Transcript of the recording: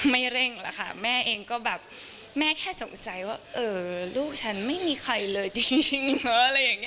ไม่เร่งละค่ะแม่แม่แค่สงสัยว่าลูกฉันไม่มีใครเลยจริง